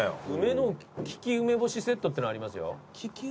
梅の利き梅干しセットっていうのありますよ。